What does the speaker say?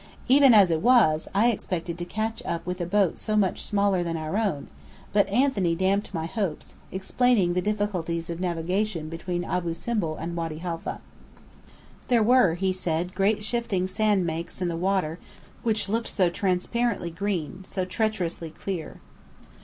Even as it was, I expected to catch up with a boat so much smaller than our own; but Anthony damped my hopes, explaining the difficulties of navigation between Abu Simbel and Wady Haifa. There were, he said, great shifting sandbanks in the water which looked so transparently green, so treacherously clear.